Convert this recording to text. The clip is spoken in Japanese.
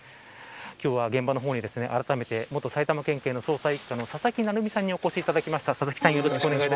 今日は現場の方にあらためて元埼玉県警捜査一課の佐々木成三さんにお越しいただきました。